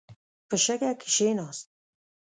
په شګه کښېناست.